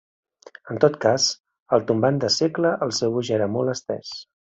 En tot cas, al tombant de segle, el seu ús ja era molt estès.